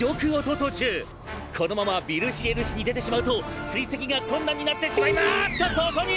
このままヴィルシエル市に出てしまうと追跡が困難になってしまいまぁーっとそこに！！